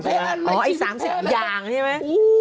พูดอย่างไง